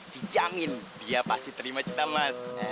dijamin dia pasti terima cita mas